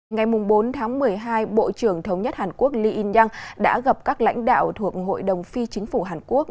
ngày bốn tháng một mươi hai bộ trưởng thống nhất hàn quốc lee in yong đã gặp các lãnh đạo thuộc hội đồng phi chính phủ hàn quốc